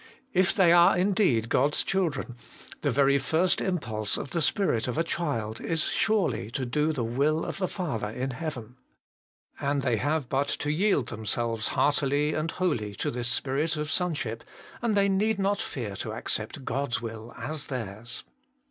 If they are indeed God's children, the very first impulse of the spirit of a child is surely to do the will of the Father in heaven. And they have but to yield themselves heartily and wholly to this spirit of sonship, and they need not fear to accept God's will as theirs.